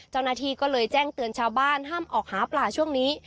เจ้าหน้าที่ก็เลยแจ้งเตือนชาวบ้านห้ามออกหาปลาช่วงนี้